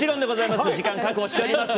時間を確保しております。